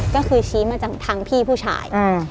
ก็คือชี้มาจากทางพี่ผู้ชาย